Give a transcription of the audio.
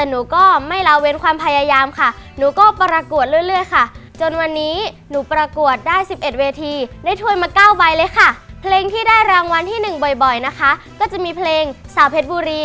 นั่งเพลินตกใจ